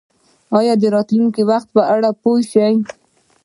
ایا د راتلونکي وخت په اړه پوه شوئ؟